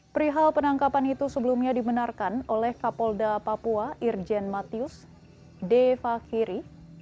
perihal penangkapan itu sebelumnya dibenarkan oleh kapolda papua irjen matius de fakiri